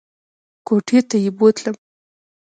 کوټې ته یې بوتلم !